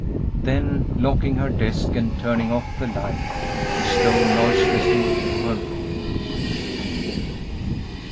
Then, locking her desk and turning off the light, she stole noiselessly to her room.